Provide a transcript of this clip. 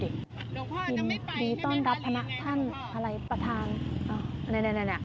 หลวงพ่อจะไม่ไปที่เมืองราลีไงครับพ่อยินดีต้อนรับพนักท่านอะไรประธาน